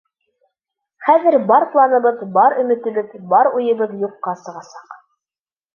Хәҙер бар планыбыҙ, бар өмөтөбөҙ, бар уйыбыҙ юҡҡа сығасаҡ!